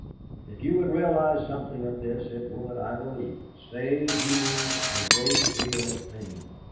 If you would realise something of this, it would, I believe, save you a great deal of pain.